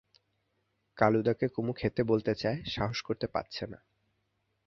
কালুদাকে কুমু খেতে বলতে চায়, সাহস করতে পারছে না।